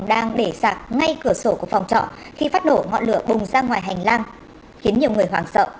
đang để sạc ngay cửa sổ của phòng trọ khi phát đổ ngọn lửa bùng ra ngoài hành lang khiến nhiều người hoảng sợ